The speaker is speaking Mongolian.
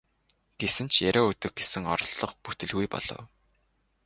Гэсэн ч яриа өдөх гэсэн оролдлого бүтэлгүй болов.